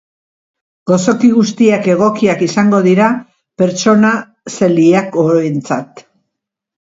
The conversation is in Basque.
Gozoki guztiak egokiak izango dira pertsona zeliakoentzat.